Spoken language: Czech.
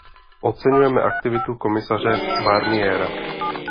Oceňujeme aktivitu komisaře Barniera.